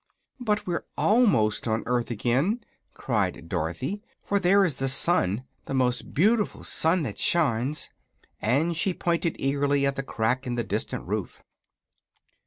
"But we're almost on earth again," cried Dorothy, "for there is the sun the most beau'ful sun that shines!" and she pointed eagerly at the crack in the distant roof.